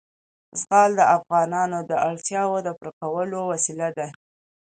زغال د افغانانو د اړتیاوو د پوره کولو وسیله ده.